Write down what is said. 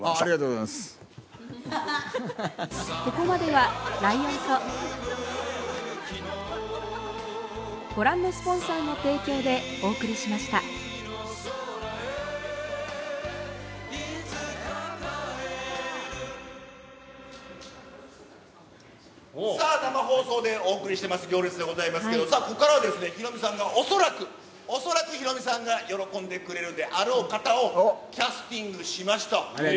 はぁ本日は両国国技館から生放送さあ、生放送でお送りしてます、行列でございますけれども、さあ、ここからはですね、ヒロミさんが恐らく、恐らくヒロミさんが喜んでくれるであろう方をキャスティングしました。